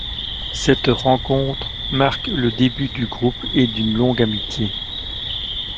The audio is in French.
Cette rencontre marque le début du groupe et d’une longue amitié.